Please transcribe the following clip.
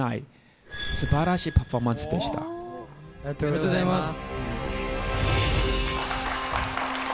ありがとうございます。